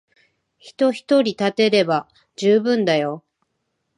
人ひとり立てれば充分だよ。